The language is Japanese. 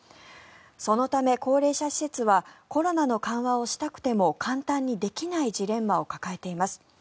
そのため高齢者施設はコロナの緩和をしたくても簡単にできないジレンマを抱えています。